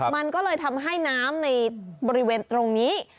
มันก็เลยทำให้น้ำในบริเวณตรงนี้